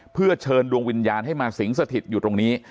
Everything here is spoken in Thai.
เพื่อเชิญดวงวิญญาณให้มาสิงสถิตอยู่ตรงนี้